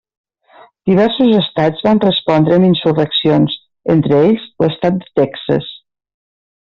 Diversos estats van respondre amb insurreccions, entre ells, l'estat de Texas.